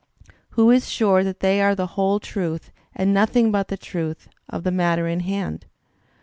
Who is sure that they are the whole truth, and noth ing but the truth, of the matter in hand?